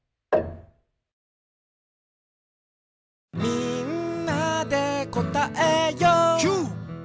「みんなでこたえよう」キュー！